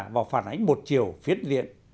vào phản ánh một chiều phiết liện